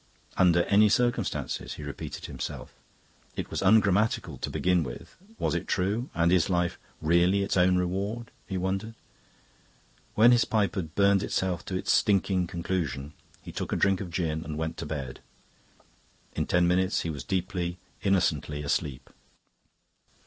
"Under any circumstances," he repeated to himself. It was ungrammatical to begin with; was it true? And is life really its own reward? He wondered. When his pipe had burned itself to its stinking conclusion he took a drink of gin and went to bed. In ten minutes he was deeply, innocently asleep.